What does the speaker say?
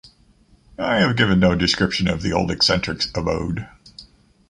I have given no description of the old eccentric's abode.